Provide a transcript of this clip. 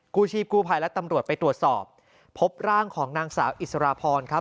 กู้ชีพกู้ภัยและตำรวจไปตรวจสอบพบร่างของนางสาวอิสราพรครับ